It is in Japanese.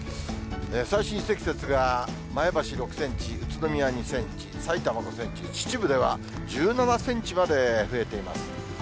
最深積雪が、前橋６センチ、宇都宮２センチ、さいたま５センチ、秩父では１７センチまで増えています。